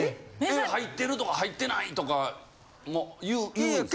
・入ってるとか入ってないとかも言うんですか？